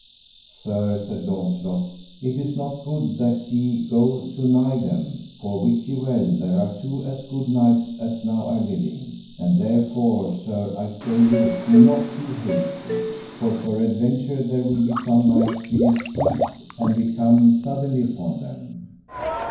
Sir, said Launcelot, it is not good that ye go too nigh them, for wit ye well there are two as good knights as now are living, and therefore, sir, I pray you be not too hasty. For peradventure there will be some knights be displeased an we come suddenly upon them.